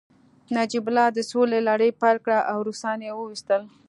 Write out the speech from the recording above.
نجیب الله د سولې لړۍ پیل کړه او روسان يې وويستل